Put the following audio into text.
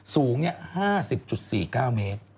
สูง๕๐๔๙เมตร